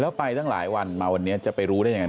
แล้วไปตั้งหลายวันมาวันนี้จะไปรู้ได้ยังไง